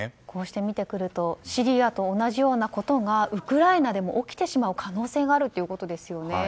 こうして見てくるとシリアと同じようなことがウクライナでも起きてしまう可能性があるということですよね。